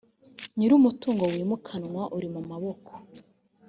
nyir umutungo wimukanwa uri mu maboko